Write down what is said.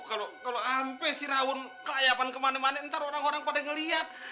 aduh kalo ampe si raun ke layapan kemana mana ntar orang orang pada ngeliat